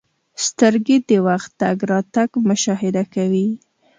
• سترګې د وخت تګ راتګ مشاهده کوي.